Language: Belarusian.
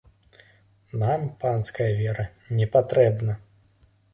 Нам панская вера не патрэбна.